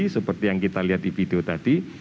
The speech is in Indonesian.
seperti yang kita lihat di video tadi